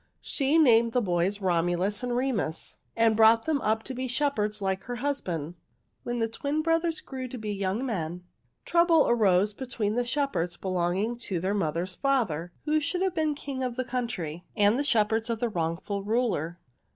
She named the boys Romulus and Remus, and brought them up to be shepherds like her husband. "When the twin brothers grew to be young men, trouble arose between the shepherds belonging to their mother's father, who should have been king of the country, and the shepherds of the wrongful ruler.